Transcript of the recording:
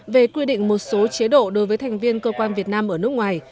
về quy định một số chế độ đối với thành viên cơ quan việt nam ở nước ngoài